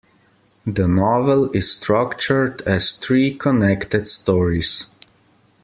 The novel is structured as three connected stories.